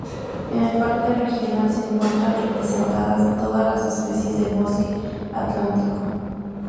En el Parque Regional se encuentran representadas todas las especies del bosque atlántico.